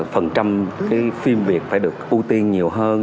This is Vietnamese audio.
phần trăm cái phim việt phải được ưu tiên nhiều hơn